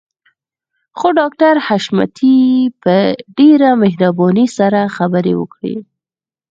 خو ډاکټر حشمتي په ډېره مهربانۍ سره خبرې وکړې.